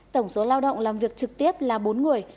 tổng số lao động làm việc trực tiếp là bốn người